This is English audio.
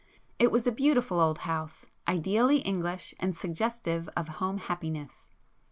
It was a beautiful old house, ideally English and suggestive of home happiness.